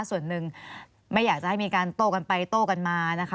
ส่วนหนึ่งไม่อยากจะให้มีการโต้กันไปโต้กันมานะคะ